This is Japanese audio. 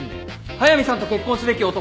速見さんと結婚すべき男